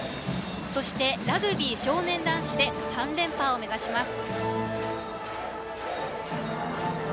そして、ラグビー少年男子で３連覇を目指します。